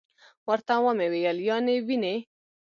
ورته ومي ویل: یا نې وینې .